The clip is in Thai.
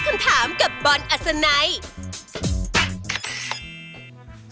๑๕คำถามกับบอลอสเตอร์ไนท์